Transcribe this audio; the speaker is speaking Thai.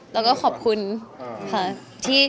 แล้วก็ขอบคุณค่ะ